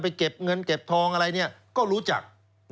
เก็บเงินเก็บทองอะไรก็รู้จัก